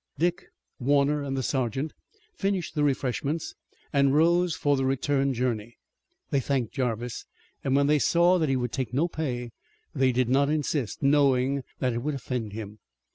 Dick, Warner and the sergeant finished the refreshments and rose for the return journey. They thanked Jarvis, and when they saw that he would take no pay, they did not insist, knowing that it would offend him.